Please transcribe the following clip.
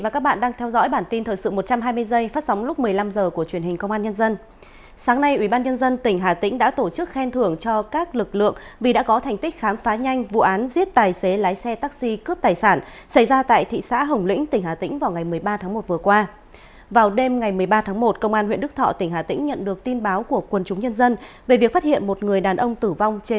các bạn hãy đăng ký kênh để ủng hộ kênh của chúng mình nhé